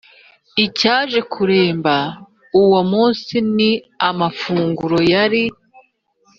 icyaje kuramba uwo munsi ni amafunguro yari